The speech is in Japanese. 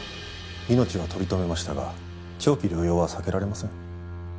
命は取り留めましたが長期療養は避けられません。